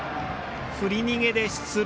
振り逃げで出塁。